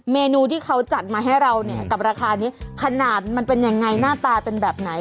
เมนูที่เขาจัดมาให้เราเนี่ยกับราคานี้ขนาดมันเป็นยังไงหน้าตาเป็นแบบไหน